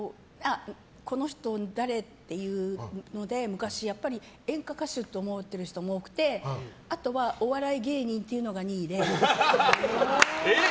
この人、誰？っていうので昔、演歌歌手と思ってる人も多くてあとはお笑い芸人っていうのが２位で。